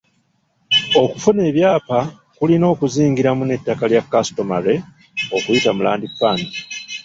Okufuna ebyapa kulina okuzingiramu n’ettaka lya customary okuyita mu land fund.